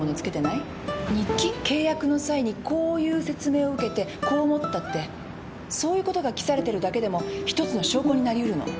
契約の際にこういう説明を受けてこう思ったってそういうことが記されてるだけでも一つの証拠になりうるの。